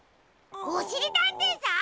おしりたんていさん？